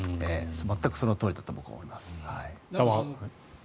全くそのとおりだと僕も思います。